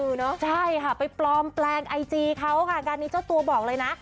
เนอะใช่ค่ะไปปลอมแปลงไอจีเขาค่ะงานนี้เจ้าตัวบอกเลยนะ